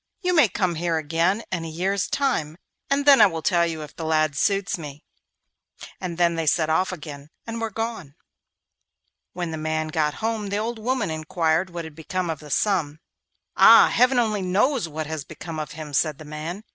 'You may come here again in a year's time, and then I will tell you if the lad suits me.' And then they set off again and were gone. When the man got home the old woman inquired what had become of the son. 'Ah! Heaven only knows what has become of him!' said the man.